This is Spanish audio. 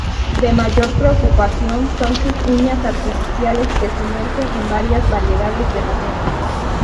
De mayor preocupación son sus uñas artificiales, que sumerge en varias variedades de venenos.